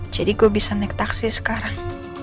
jadi gue bisa naik taksi sekarang